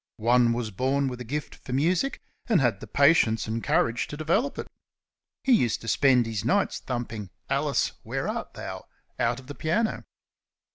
One was born with a gift for music, and had the patience and courage to develop it. He used to spend his nights thumping "Alice, where art thou?" out of the piano.